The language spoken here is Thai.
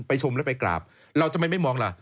ไปชมและไปกราบเราจะไม่มองล่ะ